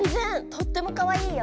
とってもかわいいよ。